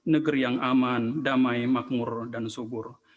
negeri yang aman damai makmur dan subur